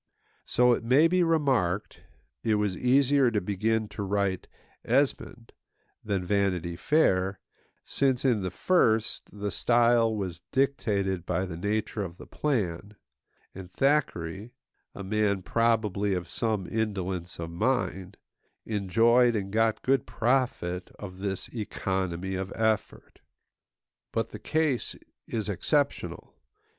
So, it may be remarked, it was easier to begin to write Esmond than Vanity Fair, since, in the first, the style was dictated by the nature of the plan; and Thackeray, a man probably of some indolence of mind, enjoyed and got good profit of this economy of effort. But the case is exceptional.